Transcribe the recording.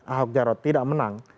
ahok jarod tidak menang